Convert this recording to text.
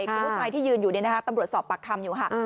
ผู้ทรายที่ยืนอยู่เนี่ยนะคะตำรวจสอบปากคำอยู่ค่ะ